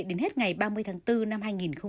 đến hết ngày ba mươi tháng bốn năm hai nghìn hai mươi